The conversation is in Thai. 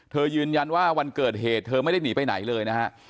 ยืนยันว่าวันเกิดเหตุเธอไม่ได้หนีไปไหนเลยนะฮะ